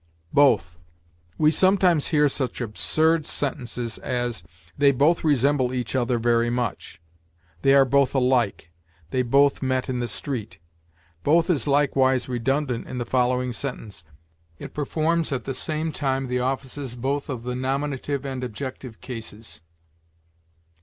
BOTH. We sometimes hear such absurd sentences as, "They both resemble each other very much"; "They are both alike"; "They both met in the street." Both is likewise redundant in the following sentence: "It performs at the same time the offices both of the nominative and objective cases."